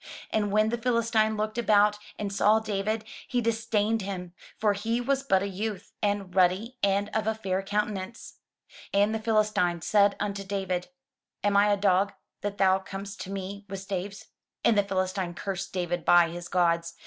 And when the Philistine looked about, and saw David, he disdained him: for he was but a youth, and ruddy, and of a fair countenance. And the Philistine said unto David, "Am I a dog, that thou comest to me with staves?*' And the Philistine cursed David by his gods.